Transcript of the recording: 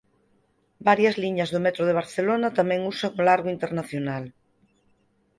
Varias liñas do Metro de Barcelona tamén usan o largo internacional.